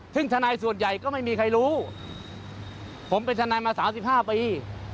ซึ่งทนายส่วนใหญ่ก็ไม่มีใครรู้ผมเป็นทนายมา๓๕ปี